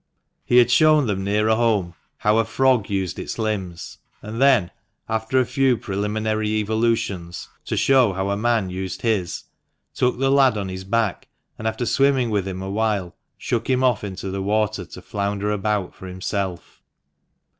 He had shown them, nearer home, how a frog used its limbs, and then, after a few preliminary evolutions, to show how a man used his, took the lad on his back, and, after swimming with him awhile, shook him off into the water to flounder about for himself.